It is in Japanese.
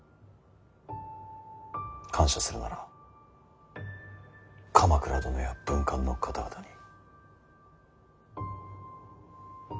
感謝するなら鎌倉殿や文官の方々に。